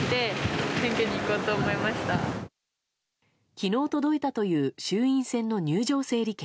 昨日届いたという衆院選の入場整理券。